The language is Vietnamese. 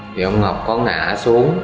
thì ông ngọc có ngã xuống